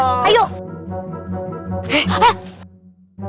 kalian teh ngapain malah diem di situ